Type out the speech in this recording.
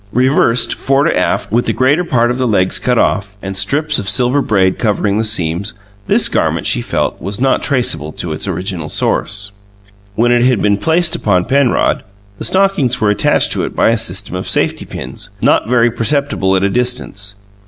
Reversed, fore to aft, with the greater part of the legs cut off, and strips of silver braid covering the seams, this garment, she felt, was not traceable to its original source. When it had been placed upon Penrod, the stockings were attached to it by a system of safety pins, not very perceptible at a distance.